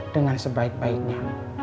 dengan sebaik baiknya